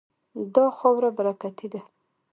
دا خاوره برکتي ده.